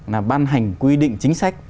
là ban hành quy định chính sách